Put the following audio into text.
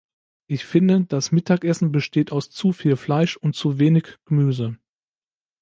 Ich finde, das Mittagessen besteht aus zu viel Fleisch und zu wenig Gemüse.